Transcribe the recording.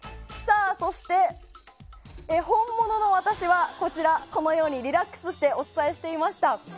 そして、本物の私はこのようにリラックスしてお伝えしていました。